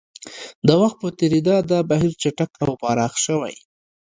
د وخت په تېرېدو دا بهیر چټک او پراخ شوی